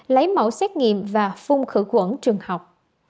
lấy mẫu xét nghiệm và phung khử quẩn trường học